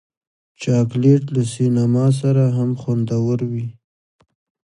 چاکلېټ له سینما سره هم خوندور وي.